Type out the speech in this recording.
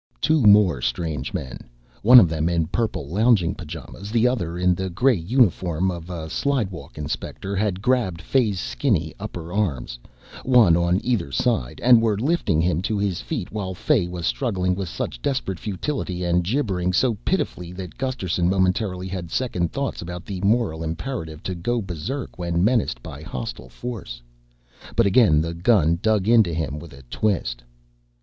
Two more strange men, one of them in purple lounging pajamas, the other in the gray uniform of a slidewalk inspector, had grabbed Fay's skinny upper arms, one on either side, and were lifting him to his feet, while Fay was struggling with such desperate futility and gibbering so pitifully that Gusterson momentarily had second thoughts about the moral imperative to go berserk when menaced by hostile force. But again the gun dug into him with a twist.